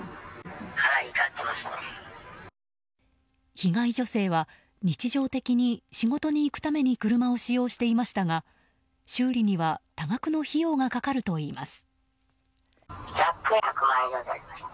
被害女性は日常的に仕事に行くために車を使用していましたが修理には多額の費用が掛かるといいます。